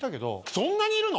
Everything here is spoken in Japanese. そんなにいるの？